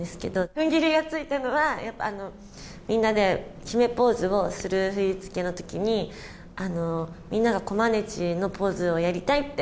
ふんぎりがついたのは、やっぱりみんなで決めポーズをする振り付けのときに、みんながコマネチのポーズをやりたいって。